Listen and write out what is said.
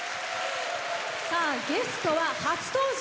ゲストは、初登場。